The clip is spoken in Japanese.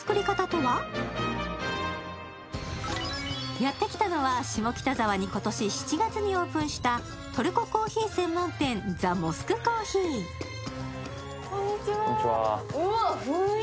やってきたのは下北沢に今年７月にオープンしたトルココーヒー専門店、ＴＨＥＭＯＳＱＵＥＣＯＦＦＥＥ。